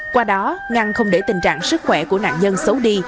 qua đó ngăn không để tình trạng sức khỏe của nạn nhân xấu đi